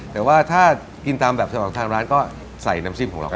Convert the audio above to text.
แต่ว่าถ้ากินตามแบบฉบับทางร้านก็ใส่น้ำจิ้มของเรา